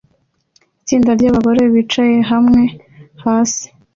Itsinda ryabagore bicaye hamwe hasi